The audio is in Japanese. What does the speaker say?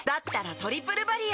「トリプルバリア」